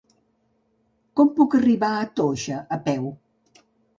Com puc arribar a Toixa a peu?